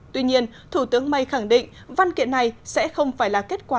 tuy nhiên thủ tướng may khẳng định văn kiện này sẽ không phải là kết quả